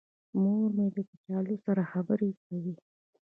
مور مې د کچالو سره خبرې کوي.